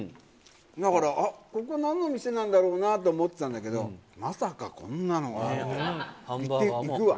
だから、あっ、ここ、なんの店なんだろうなと思ってたんだけど、まさかこんなのが。行くわ。